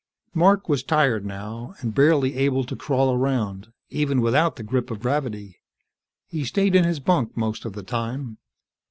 Mark was tired now, and barely able to crawl around, even without the grip of gravity. He stayed in his bunk most of the time.